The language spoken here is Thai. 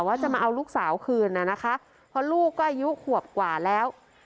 ว่าจะมาเอาลูกสาวคืนน่ะนะคะเพราะลูกก็อายุขวบกว่าแล้ว